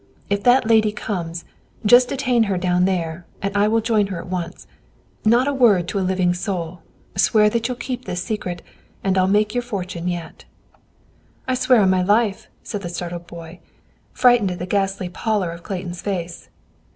"If that lady comes, just detain her down there, and I will join her at once. Not a word to a living soul. Swear that you'll keep this secret, and I'll make your fortune yet." "I swear on my life," said the startled boy, frightened at the ghastly pallor of Clayton's face.